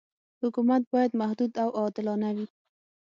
حکومت باید محدود او عادلانه وي.